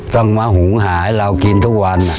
ต้องมาหุงหาให้เรากินทุกวัน